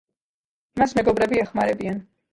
მას მეგობრები ეხმარებიან.